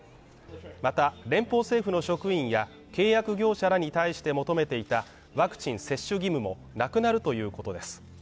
また、連邦政府の職員や契約業者らに対して求めていたワクチン接種義務もなくなるということです。